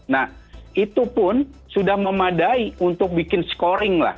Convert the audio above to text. nah itu pun sudah memadai untuk bikin scoring lah